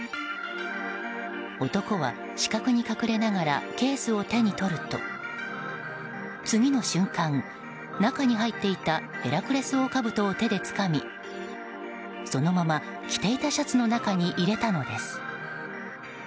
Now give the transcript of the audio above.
男は死角に隠れながらケースを手に取ると次の瞬間、中に入っていたヘラクレスオオカブトを手でつかみそのまま着ていたシャツの中に入れたのです。